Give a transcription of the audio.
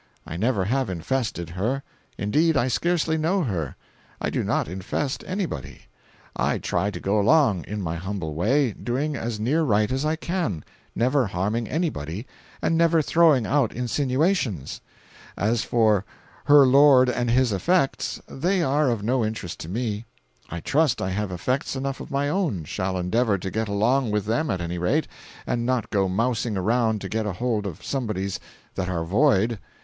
I never have infested her—indeed I scarcely know her. I do not infest anybody. I try to go along, in my humble way, doing as near right as I can, never harming anybody, and never throwing out insinuations. As for 'her lord and his effects,' they are of no interest to me. I trust I have effects enough of my own—shall endeavor to get along with them, at any rate, and not go mousing around to get hold of somebody's that are 'void.